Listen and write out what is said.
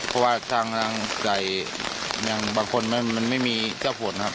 เพราะว่าทางรังไก่อย่างบางคนมันไม่มีเจ้าผลนะครับ